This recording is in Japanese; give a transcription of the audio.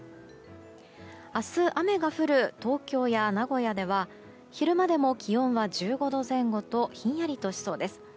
明日、雨が降る東京や名古屋では昼間でも気温は１５度前後とひんやりとしそうです。